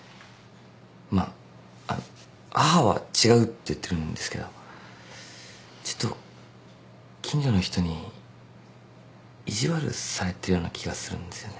まああの母は違うって言ってるんですけどちょっと近所の人に意地悪されてるような気がするんですよね。